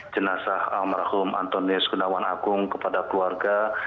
jenazah almarhum antonius gunawan agung kepada keluarga